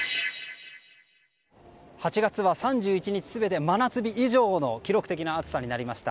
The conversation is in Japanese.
８月は３１日全て真夏日以上の記録的な暑さになりました。